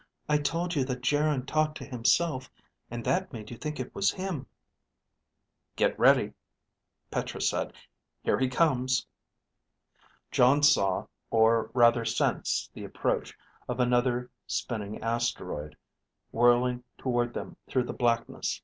I told you that Geryn talked to himself, and that made you think it was him._ Get ready, Petra said. Here he comes. Jon saw, or rather sensed the approach of another spinning asteroid, whirling toward them through the blackness.